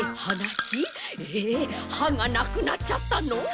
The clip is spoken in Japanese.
えはがなくなっちゃったの？